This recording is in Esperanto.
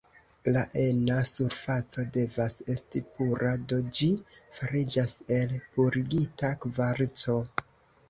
La ena surfaco devas esti pura, do ĝi fariĝas el purigita kvarco.